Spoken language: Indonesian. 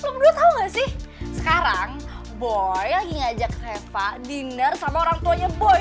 lo bener tau gak sih sekarang boy lagi ngajak reva dinner sama orangtuanya boy